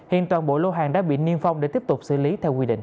hiện toàn bộ lô hàng đã bị niêm phong để tiếp tục xử lý theo quy định